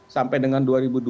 sampai dengan dua ribu dua puluh